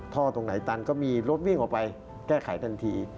ตรงไหนตันก็มีรถวิ่งออกไปแก้ไขทันที